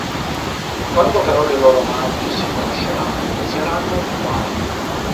Quando però le loro madri si conosceranno inizieranno i guai